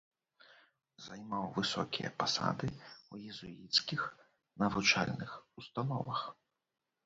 Займаў высокія пасады ў езуіцкіх навучальных установах.